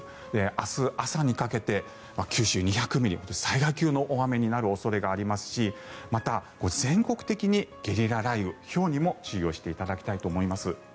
明日朝にかけて九州、２００ミリ災害級の大雨になる恐れがありますしまた、全国的にゲリラ雷雨ひょうにも注意をしていただきたいと思います。